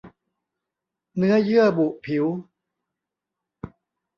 เนื้อเยื่อบุผิว